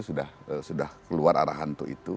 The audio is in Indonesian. sudah keluar arah hantu itu